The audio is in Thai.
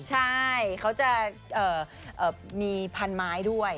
ใช่เขาจะมีพันไม้ด้วย